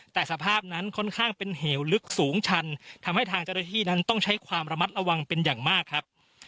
แต่สภาพนั้นค่อนข้างเป็นเหวลึกสูงชันทำให้ทางเจ้าหน้าที่นั้นต้องใช้ความระมัดระวังเป็นอย่างมากครับ